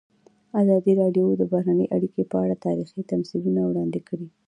ازادي راډیو د بهرنۍ اړیکې په اړه تاریخي تمثیلونه وړاندې کړي.